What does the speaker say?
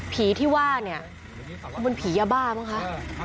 ที่ว่าเนี่ยมันผียาบ้ามั้งคะ